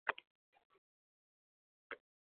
Va bu misollar esga olinganda har gal qalb o‘rtanadi